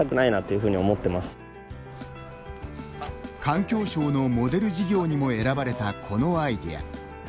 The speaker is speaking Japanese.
環境省のモデル事業にも選ばれたこのアイデア。